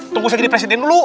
tunggu saya jadi presiden dulu